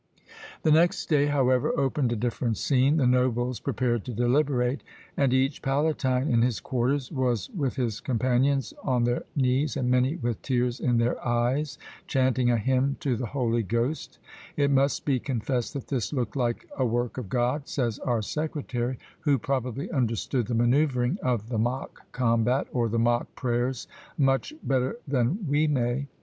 The next day, however, opened a different scene; "the nobles prepared to deliberate, and each palatine in his quarters was with his companions on their knees, and many with tears in their eyes, chanting a hymn to the Holy Ghost; it must be confessed that this looked like a work of God," says our secretary, who probably understood the manoeuvring of the mock combat, or the mock prayers, much better than we may.